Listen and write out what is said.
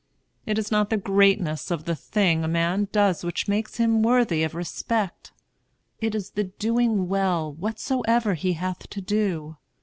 It is not the greatness of the thing a man does which makes him worthy of respect; it is the doing well whatsoever he hath to do.